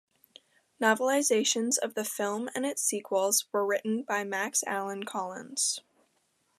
Novelizations of the film and its sequels were written by Max Allan Collins.